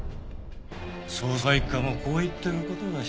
捜査一課もこう言ってる事だし。